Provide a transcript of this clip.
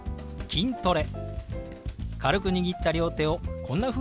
「筋トレ」。